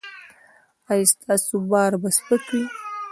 ایا ستاسو بار به سپک وي؟